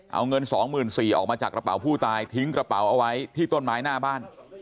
เอาเงิน๒๔๐๐ออกมาจากกระเป๋าผู้ตายทิ้งกระเป๋าเอาไว้ที่ต้นไม้หน้าบ้าน